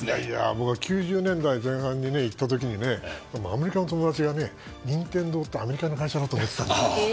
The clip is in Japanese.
僕は９０年代前半に行った時にアメリカの友達が任天堂ってアメリカの会社だと思っていたと。